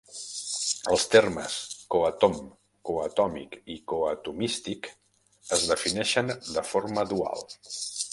Els termes "coatom", "coatomic" i "coatomistic" es defineixen de forma dual.